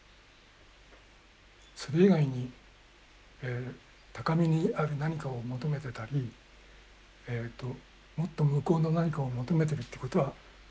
それ以外に高みにある何かを求めてたりもっと向こうの何かを求めてるってことはない。